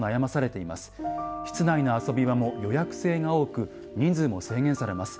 室内の遊び場も予約制が多く人数も制限されます。